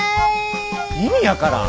意味分からん！